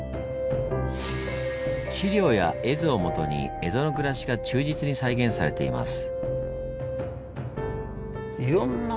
資料や絵図をもとに江戸の暮らしが忠実に再現されています。